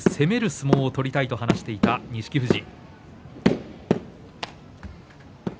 相撲を取りたいと話していた錦富士。